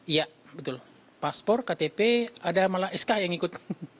iya betul paspor ktp ada malah sk yang ikut